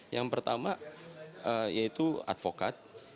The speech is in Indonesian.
yang pertama yaitu advokat